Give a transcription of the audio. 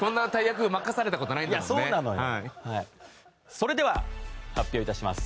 それでは発表致します。